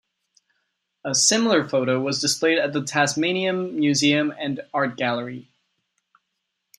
A similar photo was displayed at the Tasmanian Museum and Art Gallery.